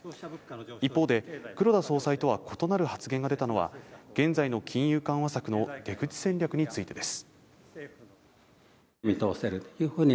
一方で、黒田総裁とは異なる発言が出たのは、現在の金融緩和策の出口戦略についてです。